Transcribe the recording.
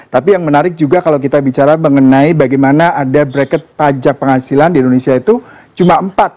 tapi yang menarik juga kalau kita bicara mengenai bagaimana ada bracket pajak penghasilan di indonesia itu cuma empat